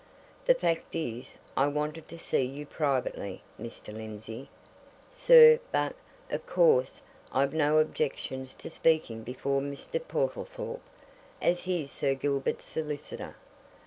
"The fact is, I wanted to see you privately, Mr. Lindsey, sir but, of course, I've no objections to speaking before Mr. Portlethorpe, as he's Sir Gilbert's solicitor.